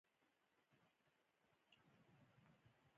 د سیند دواړو غاړو اقتصادي بنسټونو کې ریښه لري.